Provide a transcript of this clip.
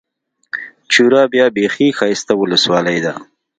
چوره بيا بېخي ښايسته اولسوالي ده.